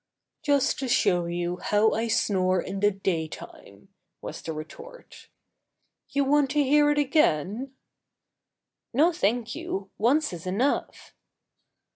"Just to show you how I snore in the day time," was the retort. "You want to hear it again?" "No, thank you, once is enough."